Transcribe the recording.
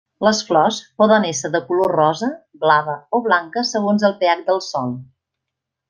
Les flors poden ésser de color rosa, blava o blanca segons el pH del sòl.